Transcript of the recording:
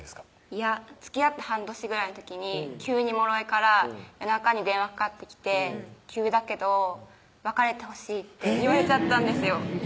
いやつきあって半年ぐらいの時に急にもろえから夜中に電話かかってきて「急だけど別れてほしい」って言われちゃったんですよ